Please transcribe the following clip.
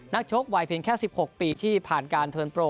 นักชกไหวเพียงแค่สิบหกปีที่ผ่านการเทิร์นโปร